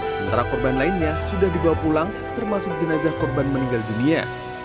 sementara korban lainnya sudah dibawa pulang termasuk jenazah korban meninggal dunia